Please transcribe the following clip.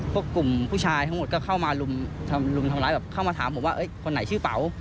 กลุ่มผู้ชายทั้งหมดก็เข้ามารุมทำร้ายแบบเข้ามาถามผมว่าคนไหนชื่อเป๋า